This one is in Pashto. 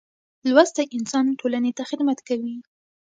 لوستی انسان ټولنې ته خدمت کوي.